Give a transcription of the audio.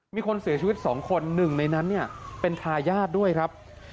มีคนเสียชีวิต๒คนหนึ่งในนั้นเนี่ยเป็นทายาทด้วยครับ